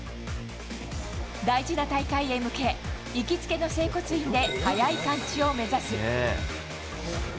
大事な大会へ向け、行きつけの整骨院で早い完治を目指す。